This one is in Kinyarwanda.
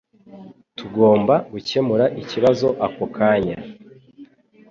Tugomba gukemura ikibazo ako kanya